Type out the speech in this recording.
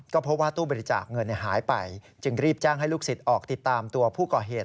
ก็พบว่าตู้บริจาคเงินหายไปจึงรีบแจ้งให้ลูกศิษย์ออกติดตามตัวผู้ก่อเหตุ